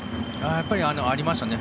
やっぱりありましたね。